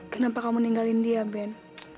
kenapa kamu meninggalin dia ben